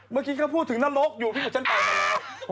เมื่อกี้ก็พูดถึงนรกอยู่พี่กับฉันไปมาแล้ว